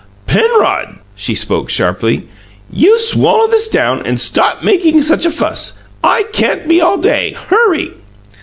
"Penrod!" She spoke sharply. "You swallow this down and stop making such a fuss. I can't be all day. Hurry."